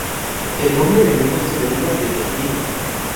El nombre de Mina se deriva de los mina.